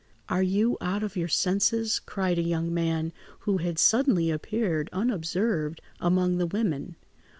"Are you out of your senses?" cried a young man who had suddenly appeared, unobserved among the women.